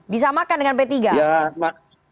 disamakan dengan p tiga